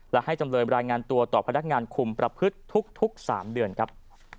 และให้จำเลยรายงานตัวต่อพนักงานคุมประพฤติทุก๓เดือนครับ